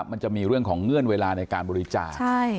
มันจะมีเรื่องของเงื่อนเวลาในการบริจาค